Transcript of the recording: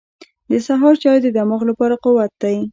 • د سهار چای د دماغ لپاره قوت دی.